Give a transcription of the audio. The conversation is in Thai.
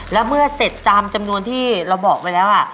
แล้วเมื่อเสร็จตามจำนวนที่เราบอกไปแล้ว